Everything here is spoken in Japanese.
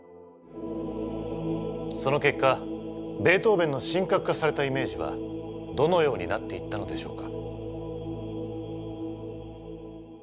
その結果ベートーヴェンの神格化されたイメージはどのようになっていったのでしょうか？